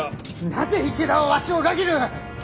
なぜ池田はわしを裏切る！？